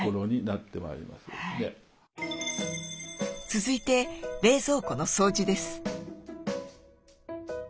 続いて冷蔵庫の掃除です。